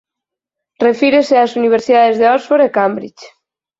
Refírese ás universidades de Oxford e Cambridge.